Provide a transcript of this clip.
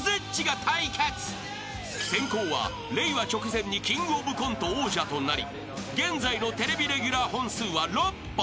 ［先攻は令和直前にキングオブコント王者となり現在のテレビレギュラー本数は６本］